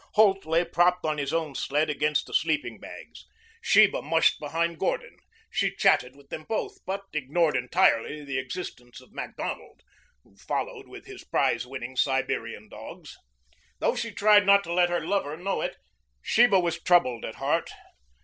Holt lay propped on his own sled against the sleeping bags. Sheba mushed behind Gordon. She chatted with them both, but ignored entirely the existence of Macdonald, who followed with his prize winning Siberian dogs. Though she tried not to let her lover know it, Sheba was troubled at heart.